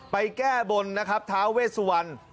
ไปแก้บนนะครับท้าเวสวรรค์